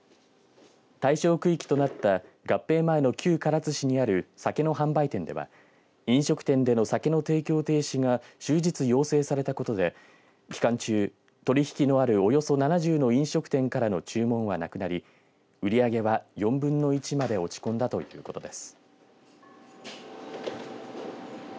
対象区域となった合併前の旧唐津市にある酒の販売店では飲食店での酒の提供停止が終日要請されたことで期間中、取り引きのあるおよそ７０の飲食店からの注文はなくなり売り上げは４分の１まで落ち込んだということです。